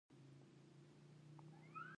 د کنیشکا په وخت کې بودیزم اوج ته ورسید